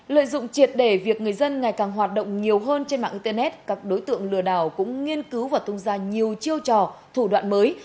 lợi dụng triệt để việc người dân ngày càng hoạt động nhiều hơn trên mạng internet các đối tượng lừa đảo cũng nghiên cứu và tung ra nhiều chiêu trò thủ đoạn mới